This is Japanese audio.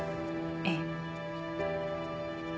ええ。